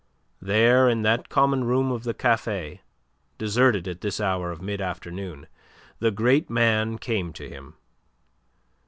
There, in that common room of the café, deserted at this hour of mid afternoon, the great man came to him.